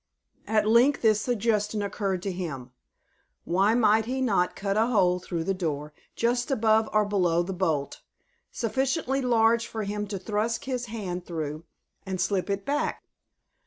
At length this suggestion occurred to him: Why might he not cut a hole through the door, just above or below the bolt, sufficiently large for him to thrust his hand through, and slip it back?